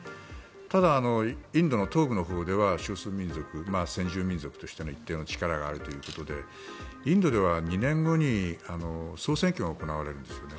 ただ、インドの東部のほうでは少数民族先住民族としての一定の力があるということでインドでは２年後に総選挙が行われるんですね。